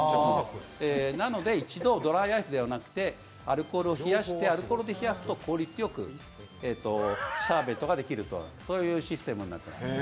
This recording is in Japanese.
なので一度、ドライアイスではなくてアルコールで冷やすと効率的にシャーベットができるというシステムになっています。